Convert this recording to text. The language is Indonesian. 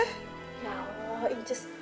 ya allah inces